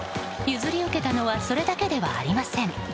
譲り受けたのはそれだけではありません。